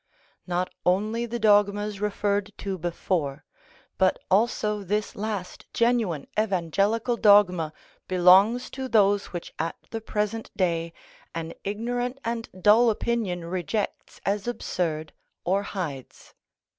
Not only the dogmas referred to before, but also this last genuine evangelical dogma belongs to those which at the present day an ignorant and dull opinion rejects as absurd or hides.